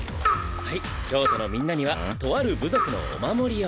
はい京都のみんなにはとある部族のお守りを。